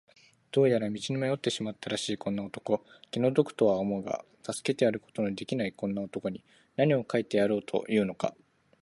どうやら道に迷ってしまったらしいこんな男、気の毒とは思うが助けてやることのできないこんな男に、なにを書いてやろうというのか。